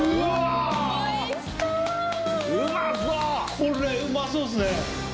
これうまそうっすね。